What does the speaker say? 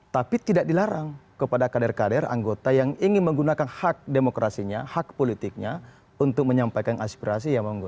tapi tidak dilarang kepada kader kader anggota yang ingin menggunakan hak demokrasinya hak politiknya untuk menyampaikan aspirasi ya monggo